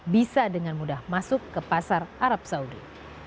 bisa dengan mudah masuk ke pasar arab saudi